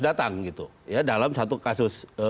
datang gitu ya dalam satu kasus